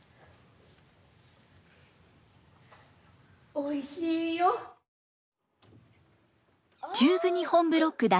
おいしいよ。ほら！